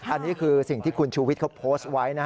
อันนี้คือสิ่งที่คุณชูวิทย์เขาโพสต์ไว้